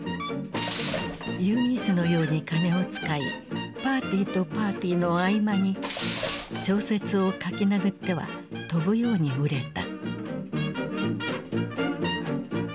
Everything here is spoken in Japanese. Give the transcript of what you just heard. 湯水のように金を使いパーティーとパーティーの合間に小説を書きなぐっては飛ぶように売れた。